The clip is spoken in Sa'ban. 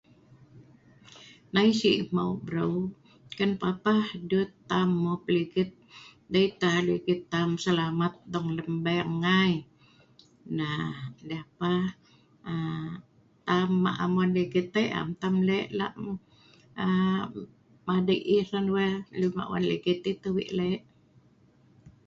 nai si mheu breu, kan papah dut tam, mup ligit, dei tah ligit tam selamat dong lem bank ngai.. nah deh pa.. aaa am ma' am wan ligit ai am tam lek lak mup aaa madei' yah hran wae..lun ma wan ligit yah tau wei lek